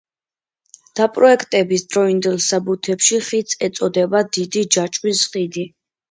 დაპროექტების დროინდელ საბუთებში ხიდს ეწოდება „დიდი ჯაჭვის ხიდი“.